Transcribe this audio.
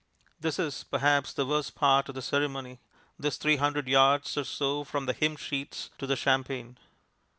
This is, perhaps, the worst part of the ceremony, this three hundred yards or so from the hymn sheets to the champagne.